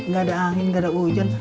gak ada angin gak ada hujan